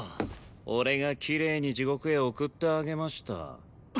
俺がきれいに地獄へ送ってあげました。